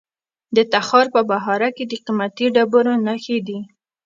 د تخار په بهارک کې د قیمتي ډبرو نښې دي.